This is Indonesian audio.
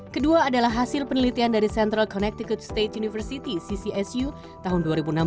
kedua adalah hasil penelitian dari central connected state university ccsu tahun dua ribu enam belas